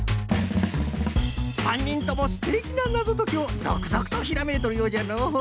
３にんともすてきななぞときをぞくぞくとひらめいとるようじゃの。